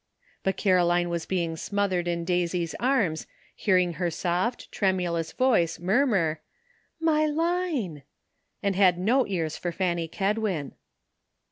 '* But Caro line was being smothered in Daisy's arms, hear ing her soft, tremulous voice murmur, "My Line," and had no ears for Fanny Kedwin.